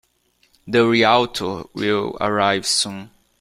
The Realtor will arrive soon.